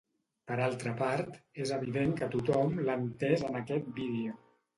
Per altra part, és evident que tothom l’ha entès en aquest vídeo.